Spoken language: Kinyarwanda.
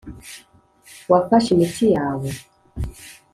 wafashe imiti yawe?